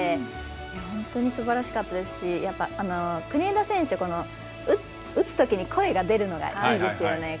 本当にすばらしかったし国枝選手、打つときに声が出るのがいいですよね。